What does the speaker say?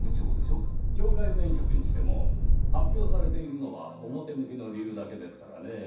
懲戒免職にしても発表されているのは表向きの理由だけですからねぇ。